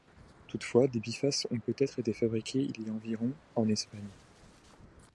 Toutefois, des bifaces ont peut-être été fabriqués il y a environ en Espagne.